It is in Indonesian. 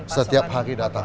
setiap hari datang